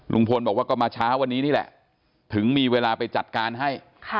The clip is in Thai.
ลุงพลบอกว่าก็มาเช้าวันนี้นี่แหละถึงมีเวลาไปจัดการให้